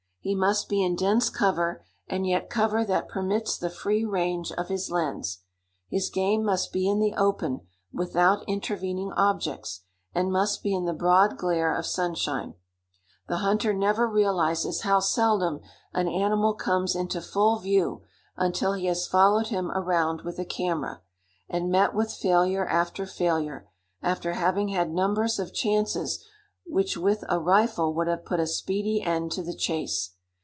He must be in dense cover, and yet cover that permits the free range of his lens. His game must be in the open, without intervening objects, and must be in the broad glare of sunshine. The hunter never realizes how seldom an animal comes into full view until he has followed him around with a camera, and met with failure after failure, after having had numbers of chances which with a rifle would have put a speedy end to the chase.